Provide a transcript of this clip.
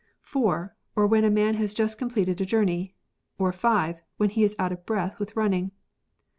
] (4.) Or when a man has just completed a journey, or (5.) when he is out of breath with running.